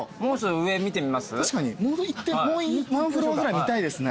確かにもうワンフロアぐらい見たいですね。